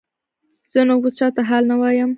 زه نو اوس چاته حال نه وایم.